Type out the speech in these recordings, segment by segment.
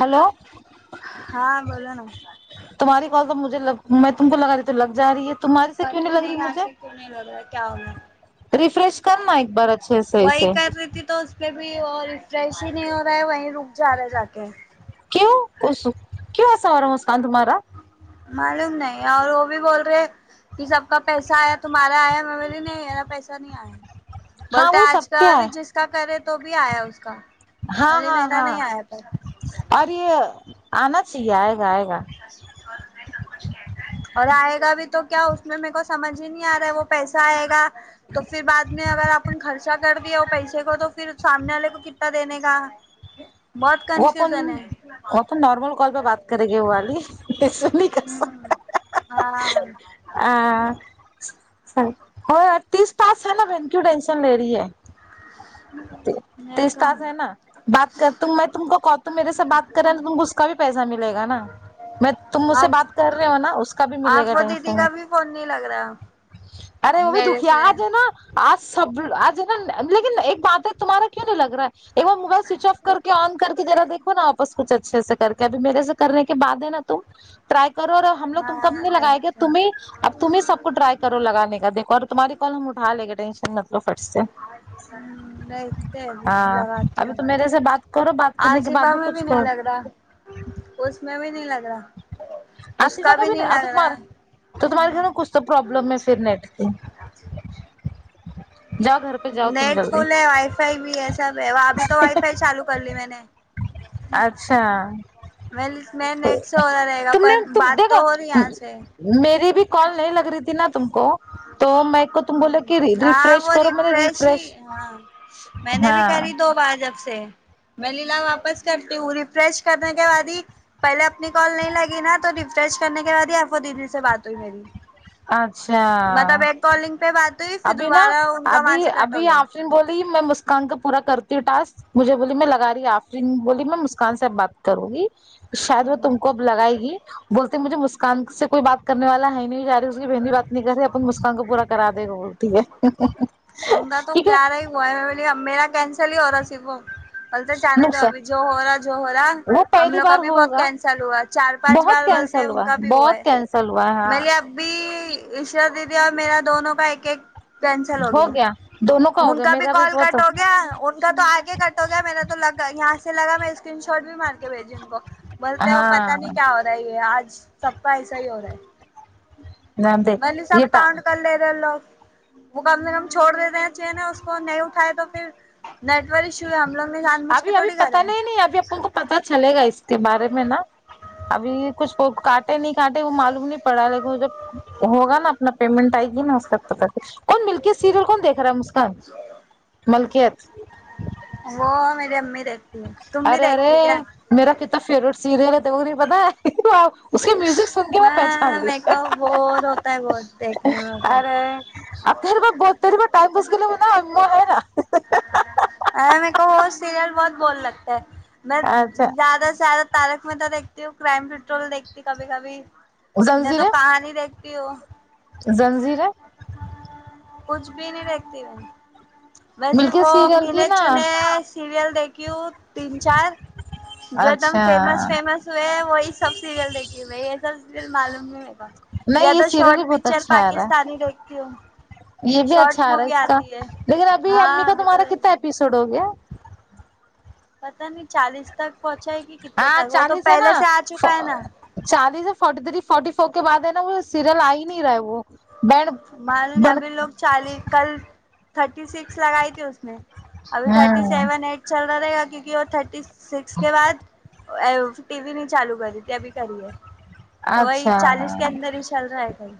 Hello ہاں بولا نا تمہاری کال تو مجھے لگ میں تم کو لگا رہی تو لگ جا رہی ہے تمہاری سے کیوں پتا لگ رہی نہیں مجھے آج یہ کیوں نہیں لگ رہا کیا ہوگیا ریفریش کرنا ایک بار اچھے صحیح سے پھر بھی اور ریفریش ہی نہیں ہو رہا ہے وہیں رک جا رہا ہے جا کے کیوں کسو کیوں ایسا ہو رہا مسکان تمہارا معلوم نہیں اور وہ بھی بول رہے سب کا پیسہ ایا تمہارا ایا میں بولی نہیں میرا پیسہ نہیں ایا ہاں بولتے وہی سب اج کا کیا بھی ہے جس کا کرے تو بھی ایا اس کا ہاں بل ہاں میرا ہاں نہیں ایا تھا اور یہ انا چاہیے ائے گا ائے گا سب کچھ کہ اور آئے گا بھی تو کیا اس میں میرے کو سمجھ ہی نہیں ا رہا ہے وہ پیسا ائے گا تو پھر بعد میں اگر اپن خرچہ کر دییے وہ پیسے کو تو پھر سامنے والے کو کتنا دینے کا بہت وہ اپن کنفیوسن ہے وہ نارمل کال پہ بات کریں گی وہ والی ایسا نہیں کر ہاں ہاں ہاں آ تیس ٹاسک ہے نا بہن کیوں ٹینشن لے رہی ہے نہیں تیس تو ٹاسک ہے نا بات کر تو میں تم کو کال تم میرے سے بات کرے تو تم کو اس کا بھی پیسہ ملے گا نا میں تو تم مجھ سے آپ بات کر رہے ہو نا اس کا بھی ملے گا آفو دیدی ٹینشن نے کا بھی فون نہیں لگ رہا ارے وہ بھی میرے دکھیا سے اج ہے نا آج سب آج ہے نا لیکن ایک بات ہے تمہارے کیوں نہیں لگ رہا ہے ایک بار موبائل سوئچ آف کر کے ان کر کے ذرا دیکھو نا آپس کچھ اچھے سے کر کے ابھی میرے سے کرنے کے بعد میں نا تم ٹرائی کرو ہم لوگ تم ہاں کب نے لگائے گے تمہیں اب تمہیں سب کو ٹرائی کرو لگانے کا ایک اور تمہاری کالم اٹھا لے گے ٹینشن مت فٹ سے دیکھتے ہوں دیکھتے ہیں ابھی ہاں ابھی تو میرے سے بات کرو بات کرنے آج کے بعد صبح میں بھی کچھ نہیں لگ کرو رہا اس میں بھی نہیں لگ رہا اس آصفیہ کا بھی نہیں لگ ادک مار رہا ہوں تو تمہارے گھر میں کچھ تو پرابلم ہے پھر نیٹ کی جاؤ گھر پہ جاؤ تم نیٹ جلدی فل ہے وائی فائی بھی ہے سب ہے وہ ابھی تو وائی فائی چالو کر لی میں نے اچھا میں میں نیٹ سے ہو رہ رہے گا تم نے پر تم بات تو دیکھو ہو رہی یہاں سے میری بھی کال نہیں لگ رہی تھی نا تم کو تو میں کو تم بولے کہ ہاں ریفریش وہ کرو میں نے ریفریش ہی میں نے بھی ہاں کری دو بار جب سے میں لیلا واپس کرتی ہوں ریفریش کرنے کے بعد ہی پہلے اپنی کال نہیں لگی نا تو ریفریش کرنے کے بعد ہی آفو دیدی سے بات ہوئی میری اچھا مطلب ایک کالنگ پہ بات ہوئی پھر دوبارہ ان کا وہاں سے کٹ ہو گیا اس نے بولی میں مسکان کا پورا کرتی ہوں ٹاسک مجھے بولی میں لگای آفرین بولی میں مسکان سے بات کروں گی شاید وہ تم کو اب لگائے گی بولتے مجھے مسکان سے کوئی بات کرنے والا ہے نہیں اس کی بہن بھی بات نہیں کر رہی اپنی مسکان کو پورا کرا دے گے بول تی ہے ان کا تو ٹھیک ہے گیارہ میرا کینسل ہی ہو رہا صرف وہ بول تو چاہے دو نقصان ابھی جو ہو رہا جو ہو رہا وہ ہم پہلی لوگ کا بار بھی بہت ہوگا کینسل ہوا چار پانچ بہت بار بولتے ہیں کینسل ان کا بھی ہوا بہت ہے کینسل ہوا ہاں میں لے اب بھی اشرہ دیدی اور میرا دونوں کا ایک ایک کینسل ہو گیا دونوں ہو ان گیا کا بھی میرا کال بہت کٹ ہو گیا ان کا تو آگے کٹ ہو گیا میرا تو لگا یہاں سے لگا میں اسکرین شاٹ بھی مار کے بھیجی ان کو بولتے وہ پتہ نہیں ہاں کیا ہو رہا ہے یہ آج سب کا ایسا ہی ہو رہا ہے دیکھ بلی سب یہ کاؤنٹ کر لے لوگ وہ کم سے کم چھوڑ دیتے ہیں چاہیے اس کو نہیں اٹھائے تو پھر نیٹ ور ایشو ہے ہم لوگ بھی جان بوجھ کے ابھی ابھی تھوڑی کرے پتا ہیں نہیں نہیں ابھی ابو کو پتہ چلے گا اس کے بارے میں نا ابھی کچھ کاٹے نہیں کاٹے وہ معلوم نہیں پڑا لیکن جب ہوگا نا اپنا پیمنٹ آئی یہ نا اس کا پتہ تھا کون ملکیت سیریل کون دیکھ رہا ہے مسکان ملکیت وہ میرے امی دیکھ ارے ارے میرا کتا فیورٹ سیریل ہے تمہیں نہیں پتا ہے آ اس کی میوزک سن کے میں پہچان لی میرے کو بہت ہوتا ہے بہت دیکھنے میں وہ سب ارے اب پھر بھی پھر بھی ٹائم پاس کے لیے اماں ہے نا ارے میرے کو وہ سیریل بہت بور لگتا ہے میں اچھا زیادہ سے زیادہ تارک مہتا دیکھتی ہوں کرائم پیٹرول دیکھتی کبھی کبھی نہیں تو زنجیریں کہانی ہی دیکھتی ہوں زنجیریں کچھ بھی نہیں دیکھتی میں ویسے ملکیت وہ سیریل کی گنے نا چونے سیریل دیکھی ہوں تین چار جو دم اچھا فیمس فیمس ہوئے ہیں وہی سب سیریل دیکھی میں یہ سب سیریل معلوم نہیں یا نہیں یہ تو سیریل شارٹ بھی بہت پکچر اچھا آ رہا ہے پاکستانی دیکھتی ہوں یہ بھی اچھا شارٹ آ رہا ہے مووی اس کا آتی ہے لیکن ابھی امی ہاں کا ابھی تو تمہارا دیکھ کتنا لی ایپیسوڈ ہو گیا پتا نہیں چالیس تک پہنچا ہے گی کتنے ہاں تک وہ تو چالیس ہے پہلے نا سے آ چکا ہے نا چالیس فورٹی تھری فورٹی فور کے بعد ہے نا وہ سیریل آ ہی نہیں رہا ہے وہ بینڈ معلوم نہیں بن ابھی لوگ چالی کل تھرٹی سکس لگائی تھی اس نے ابھی تھرٹی ہاں سیون ایٹ چل رہا رہے گا کیونکہ وہ تھرٹی سکس کے بعد ا ٹی وی نہیں چالو کری تو بھی کری ہے تو وہی اچھا چالیس کے اندر ہی چل رہا ہے کل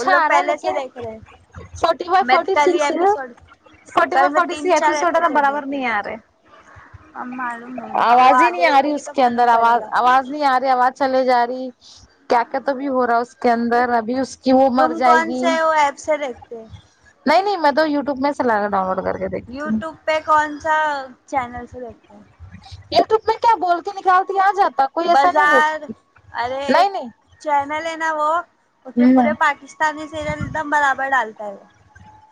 ان لوگ ہاں پہلے سے لیکن دیکھ رہے فورٹی فائیو میں فورٹی کل ہی سکس ہے ایپیسوڈ فورٹی کل فائیو میں فوٹی سکس تین چار اپیسوڈ ہے نا ایپیسوڈ برابر دیکھے نہیں ارے اب معلوم نہیں ہوں اب وہ آواز ہی نہیں آگے آ رہی دیکھے گی اس تو کے معلوم اندر پڑے آواز گا آواز نہیں آ رہی آواز چلے جا رہی کیا کہ تو بھی ہو رہا اس کے اندر ابھی اس کی وہ تم مر جائے کون گی سے وہ ایپ سے دیکھتے نہیں نہیں میں تو یو ٹیوب میں سے لا کر ڈاؤن لوڈ کر کے دیکھتی ہوں یوٹیوب پہ کون سا چینل سے دیکھتے ہیں یو ٹیوب میں کیا بول کے نکالتی آ جاتا کوئی ایسا نہیں دیکھ بازار ارے نہیں ایک نہیں چینل ہے نا وہ اس میں ہوں پورے پاکس تانی سیریل ایک دم برابر ڈالتا ہے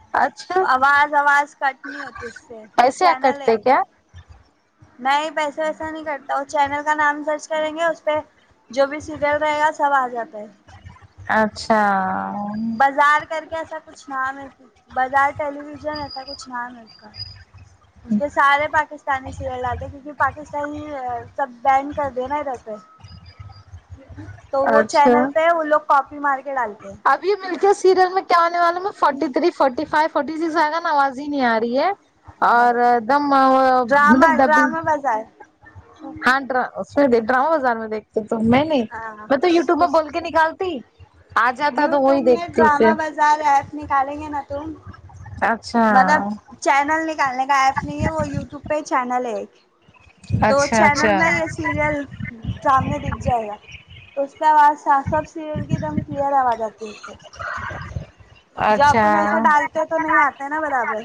اچ آواز آواز کٹ نہی ہوتی اس پہ وہ ایسے آ چینل کرتے ہے کیا نہیں پیسے ویسا نہیں کرتا وہ چینل کا نام سرچ کریں گے اس پہ جو بھی سیریل رہے گا سب آ جاتا ہے اچھا بازار کر کے ایسا کچھ نام ہے بازار ٹیلی ویژن ایسا کچھ نام ہے اس کا اس پے سارے پاکستانی سیریل ڈالتے کیونکہ پاکس تان سب بینڈ کر دینا ادھر پے تو وہ چینل پہ وہ لوگ کاپی مار کے ڈالے ابھی مل کس سیریل میں کیا آنے والوں میں forty three forty five forty six آے گا آواز ہی نہیں آ رہی ہے اور دم وہ مطلب ڈبینگ آ جائے ہاں ڈرا اس میں دیکھ ڈراما بازار میں دیکھ تو تو میں نے ہاں میں تو یوٹیوب میں بول کے نکالتی آ جاتا تو یوٹیوب وہی میں دیکھتی پھر ڈرامہ بازار ایپ نکالیں گے نا تم [unintelligible] مطلب چینل نکالنے کا ایپ نہیں ہے وہ یوٹیوب پہ چینل ہے تو اچھا چینل اچھا میں ایسے سیریل سامنے دیکھ جائے گا تو اس کے بعد سا سب سیریل کی ایک دم کلیئر آواز آتی ہے اس پہ جب اپن ایسا اچھا ڈالتے تو نہیں آتا ہے نا برابر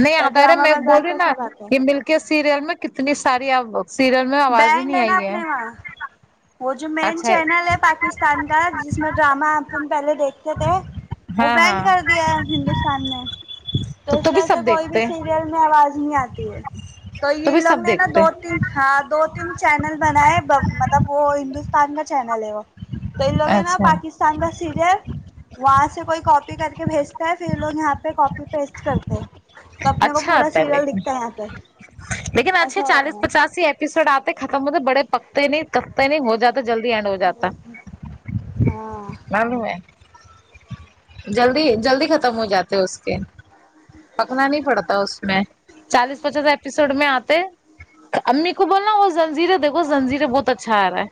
نہیں پر آتا رہے ڈرامہ میں بازار بولری پہ نا سب آتا یہ ہے مل کے سیریل میں کتنی ساری ا سیریل میں آواز ہی بینڈ نہیں نا آئی ہے اپنے وہاں وہ جو مین اچھا چینل ہے پاکستان کا جس میں ڈراما اپن پہلے دیکھتے تھے وہ ہاں بینڈ ہاں کر دیا ہندوستان میں تو اس تو بھی وجہ سب سے کوئی بھی دیکھتے ہیں سیریل آواز نہیں آتی ہے تو یہ بھی لوگ سب نے نا دیکھتے دو تین ہاں دو تین چینل بنا ہے مطلب وہ ہندوستان کا چینل ہے وہ تو ان لوگ ہیں نا اچھا پاکس تان کا سیریل وہاں سے کوئی کاپی کر کے بھیجتا ہے پھر یہ لوگ یہاں پہ کاپی پسٹ کرتے ہیں تو اپنے کو اچھا پورا آتا ہے سیریل لیکن دکھتا ہے یہاں پہ لیکن آجھے ایسا ہو چالیس رہا پچاس ہی ایپیسوڈ آتے ختم ہوتے بڑے پک تے نہیں تب نہیں ہو جاتا جلدی اینڈ ہو جاتا ہے ہاں معلوم ہے جلدی جلدی ختم ہو جاتے اس کے پکنا نہیں پڑتا اس میں چالیس پچاس اپ سر میں آتے امی کو بولنا وہ زنجیریں دیکھو زنجیریں بہت اچھا آ رہا ہے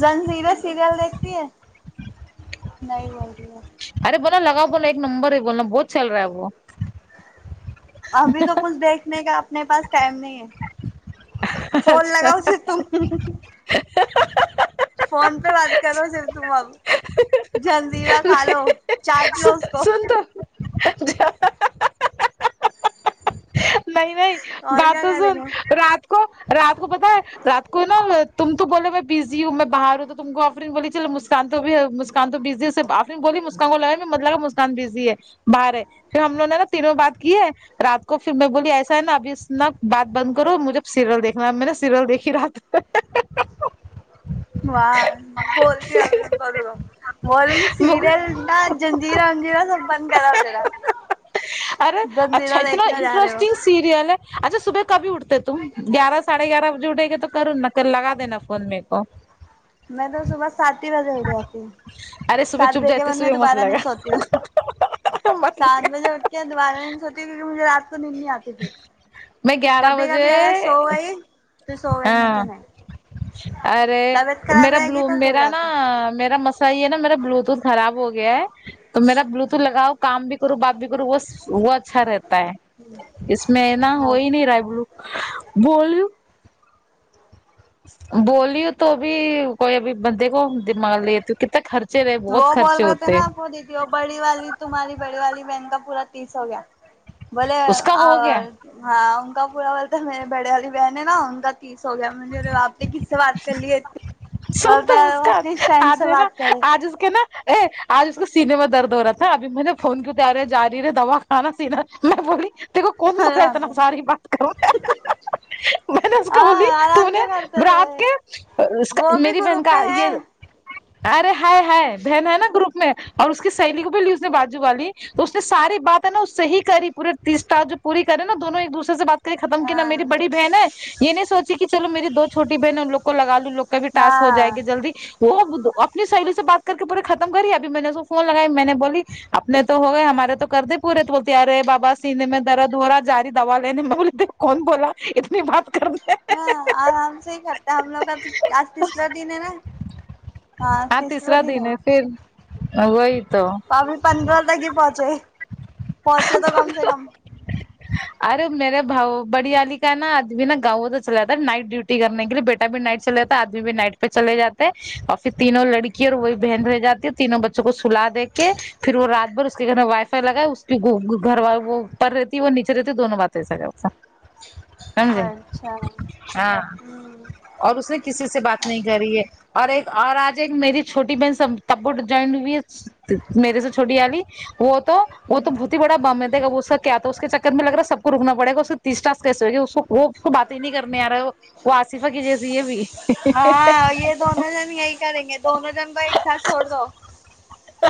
زنجیریں سیریل دیکھتی ہے [inaudible] نہیں بول رہی ہے ارے بولنا لگاؤ بولنا ایک نمبر ہے بولنا بہت چل رہا ہے وہ ابھی تو کچھ دیکھنے کا اپنے پاس ٹائم نہیں ہے فون اچھا لگاؤ اسے تم فون پہ بات کرو صرف تم اب جلزیرا کھا لو چاٹ لو اس کو س سن تو نہیں نہیں اور بات کیا تو کریں سن گے رات کو رات کو پتا ہے رات کو نا تم تو بولے میں بزی ہوں میں باہر ہوں تو تم کو آفرین بولی چلو مس مسکان تو بھی ہے مسکان تو بزی ہے اس سے آفرین بولی مسکان کو لگا مت لگا مسکان بزی ہے باہر ہے پھر ہم لوگوں نے نا تینوں بات کی ہے رات کو پھر میں بولی ایسا ہے نا ابھی اس نا بات بند کرو مجھے سیریل دیکھنا میں نا سیریل دیکھی رات میں واہ بولتی ابھی پڑھ لو بولیں گی سیریل نہ جنجرا ونجرا سب بند کراؤ ذرا ارے اچھا جنجیرا اتنا دیکھنے جا رہے ہو انٹرسٹنگ سیریل ہے اچھا صبح کبھی اٹھتے تم گیارہ ساڑھے گیارہ بجے اٹھے گے تو کر نا کر لگا دینا فون میرے کو میں تو صبح سات ہی بجے اٹھ جاتی ہوں ارے صبح سات چپ بجے کے جاتے بعد میں صبح مت دوبارہ نہیں لگا سوتی ہوں مت لگا سات بجے کیا دوبارہ نہیں سوتی کیونکہ مجھے رات کو نیند نہیں آتی پھر میں گیارہ کبھی بجے کبھی اگر سو گئی تو سو گئی نہیں اں تو نہیں ارے طبیعت خراب میرا رہے گی بلو تو سو میرا نا جاتے ہیں۔ میرا مس صحیح ہے نا میرا بلوٹوتھ خراب ہو گیا ہے تو میرا بلوٹوت لگاؤ کام بھی کروں بات بھی کروں وہ وہ اچھا رہتا ہے اس میں نا ہو ہی نہیں رہا ہے بلو بولیو بولی ہو تو بھی کوئی ابھی بندے کو دماغ لےتی کتنا خرچ وہ بول رہے تھے نا آپ کو بڑی والی تمہاری بڑی والی بہن کا پورا تیس ہو گیا بولے اس کا او ہو گیا ہاں ان کا پورا بولے تو میرے بڑے والی بہن ہے نا ان کا تیس ہوگیا میں بولی آپ نے کس سے بات کر لی ہے ات سن تو مسکان آج ہے نا بات کرے آج اس کہ نا اے آج اس کو سینے میں درد ہو رہا تھا ابھی میں نے فون کی تو آ رہے جاری رے دواخانہ سینا میں بولی تے کو کون بولے یہاں اتنا سے ساری بات کرو میں نے اس کو بولی ہاں تو آرام نے سے کرتے تھے برات کے اس کا وہ بھی میری بہن گروپ کا میں ہے یہ ارے ہے ہے بہن ہے نا گروپ میں اور اس کی سہیلی کو بھی لی اس نے بازو والی تو اس نے ساری بات ہے نا اس سے ہی کری پورے تیس ٹاسک جو پوری کرے نا دونوں ایک دوسرے سے بات تو یہ ختم کی نا ہاں میری بڑی بہن ہے یہ نہیں سوچی کہ چلو میری دو چھوٹی بہنیں ان لوگ کو لگالو ان لوگ کا بھی ٹاسک ہو جائے ہاں گی جلدی وہ اپنی سہیلی سے بات کر کے پورے ختم کری ہے ابھی میں نے اس کو فون لگا میں نے بولی اپنے تو ہو گئے ہمارے تو کردے پورے تو بولتی ارے بابا سینے میں درد ہو را جاری دوا لینے میں بولی دے کون بولا اتنی بات کر دو ہاں آرام سے ہی کرتے ہم لوگ کا آج تیسرا دن ہے نا ہاں تیسرا دن ہے تو ابھی پندرہ تک ہی پہنچے پہنچے تو کم سے کم ارے میرے بھاؤ بڑی والی کا ہے نا آدمی نا گاؤں تو چلا جاتا نائٹ ڈیوٹی کرنے کے لیے بیٹ ابھی نائٹ چلے تھا ابھی نائٹ پہ چل جاتے ہیں اور پھر تینوں لڑکی اور وہی بہن رہ جاتی ہے تینوں بچوں کو سلا دے کے پھر وہ رات بھر اس کے گھر میں وائی فائی لگا ہے اس کی گو گھر وال وہ اوپر رہتی وہ نیچے رہتی دونوں بات ایسا کرتے سمجھے اچھا ہاں اور اس نے کسی سے بات نہیں کری ہے اور ایک اور آج ایک میری چھوٹی بہن سم تبو جوائن ہویچ میرے سے چھوٹی والی وہ تو وہ تو بہت ہی بڑا بم ہے دیکھا وسعت کیا تو اس کے چکر میں لگ رہا سب کو رکنا پڑےگا اس نے تیس ٹاسک کیسے ہوئے یہ اس کو وہ اس کو بات ہی نہی کرنے آ رہا ہے وہ وہ آصفہ کی جیسی یہ بھی ہاں یہ دونوں جن یہی کریں گے دونوں جن کو ایک ساتھ چھوڑ دو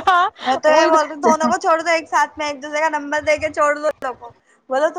ہاں میں تو یہ بول رہی ہوں وہی دونوں کو چھوڑ دو ایک ساتھ ایک دوسرے کا نمبر دے کے چھوڑ دوان لوگ کو بولو تم